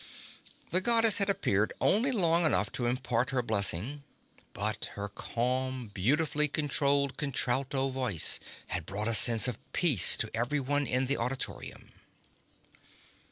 The Goddess had appeared only long enough to impart her blessing, but her calm, beautifully controlled contralto voice had brought a sense of peace to everyone in the auditorium.